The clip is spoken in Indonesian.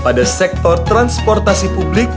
pada sektor transportasi publik